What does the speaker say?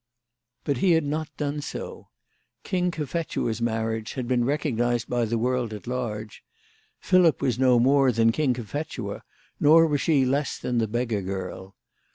But he had not done so. King Cophetua's marriage had been recog nised by the world at large. Philip was no more than King Cophetua, nor was she less than the beggar girl.